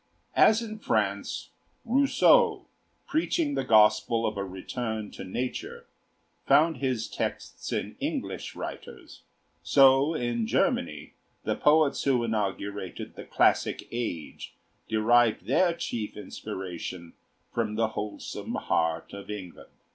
As in France, Rousseau, preaching the gospel of a return to nature, found his texts in English writers, so in Germany the poets who inaugurated the classic age derived their chief inspiration from the wholesome heart of England.